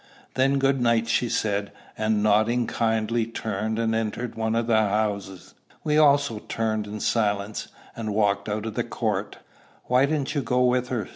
"Then good night," she said, and, nodding kindly, turned, and entered one of the houses. We also turned in silence, and walked out of the court. "Why didn't you go with her?"